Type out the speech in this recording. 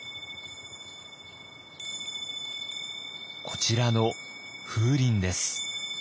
こちらの風鈴です。